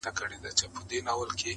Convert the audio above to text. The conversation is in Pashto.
نیک اخلاق د خلکو په یاد پاتې کېږي.!